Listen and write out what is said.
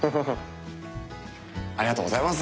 ありがとうございます！